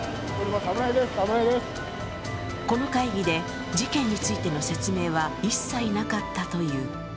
この会議で事件についての説明は一切なかったという。